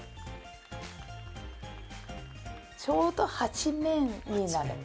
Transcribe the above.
ちょうど８面になります。